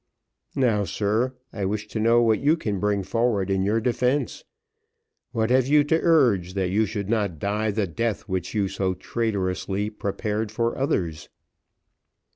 Now, sir, I wish to know, what you can bring forward in your defence, what have you to urge that you should not die the death which you so traitorously prepared for others."